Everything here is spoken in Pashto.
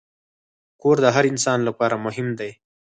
کور د هر انسان لپاره مهم دی.